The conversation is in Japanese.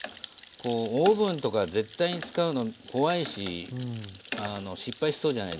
オーブンとか絶対に使うの怖いし失敗しそうじゃないですか。